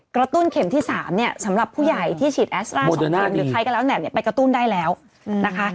กระตุ้นเข็ม๓เนี่ยสำหรับผู้ใหญ่ที่ฉีดแอสตาร์๒ในใดไปได้แล้วนะคะ